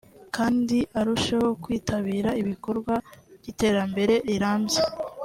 kandi arusheho kwitabira ibikorwa by’iterambere rirambye